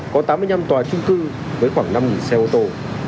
có tám mươi năm tòa trung cư với khoảng năm xe ô tô